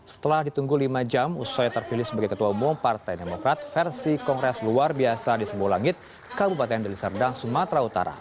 setelah ditunggu lima jam usaha yang terpilih sebagai ketua umum partai demokrat versi kongres luar biasa di sembu langit kabupaten deli serdang sumatera utara